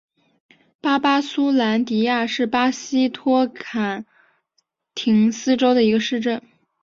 巴巴苏兰迪亚是巴西托坎廷斯州的一个市镇。